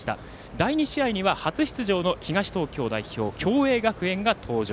第２試合には初出場の東東京代表の共栄学園が登場。